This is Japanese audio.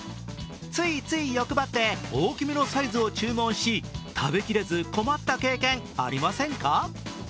ついつい欲張って大きめのサイズを注文し、食べきれず困った経験、ありませんか？